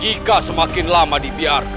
jika semakin lama dibiarkan